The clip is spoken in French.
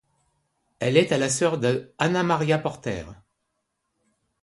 Elle est la sœur de Anna Maria Porter.